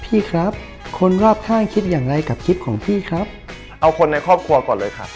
เอาคนในครอบครัวก่อนเลยค่ะ